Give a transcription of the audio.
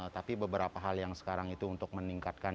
tapi beberapa hal yang sekarang itu untuk meningkatkan